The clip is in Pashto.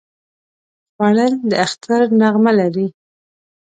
خوړل د اختر نغمه لري